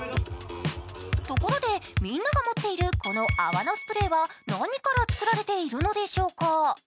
ところで、みんなが持っているこの泡のスプレーは何から作られているのでしょうか。